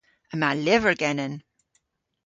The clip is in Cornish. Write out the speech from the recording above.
Yma lyver genen.